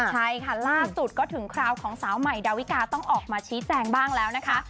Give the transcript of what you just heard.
ใช่ค่ะล่าสุดก็ถึงคราวของสาวใหม่ดาวิกาต้องออกมาชี้แจงบ้างแล้วนะคะ